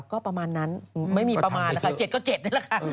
ก็ประมาณนั้นไม่มีประมาณแล้วค่ะ๗ก็๗นี่แหละค่ะ